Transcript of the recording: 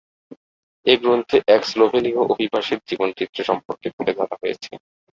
এ গ্রন্থে এক স্লোভেনীয় অভিবাসীর জীবন-চিত্র সম্পর্কে তুলে ধরা হয়েছে।